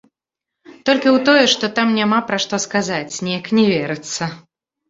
Толькі ў тое, што там няма пра што сказаць, неяк не верыцца.